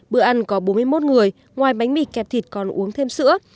bữa ăn có bốn mươi một người ngoài bánh mì kẹp thịt còn uống thêm sữa